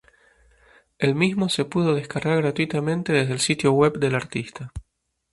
El mismo se pudo descargar gratuitamente desde el sitio web del artista.